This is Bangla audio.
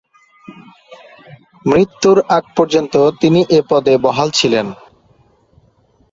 মৃত্যুর আগ পর্যন্ত তিনি এ পদে বহাল ছিলেন।